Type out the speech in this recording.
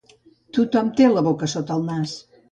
Tothom té la boca sota el nas.